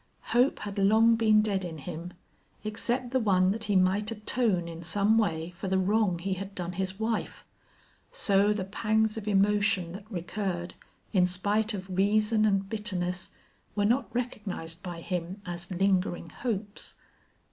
Hope had long been dead in him, except the one that he might atone in some way for the wrong he had done his wife. So the pangs of emotion that recurred, in spite of reason and bitterness, were not recognized by him as lingering hopes.